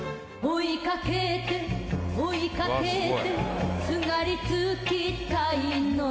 追いかけて追いかけてすがりつきたいの